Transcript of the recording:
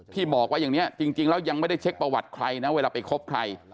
ที่บอกว่าอย่างนี้จริงแล้วยังไม่ได้เช็คประวัติใครนะเวลาไปคบใคร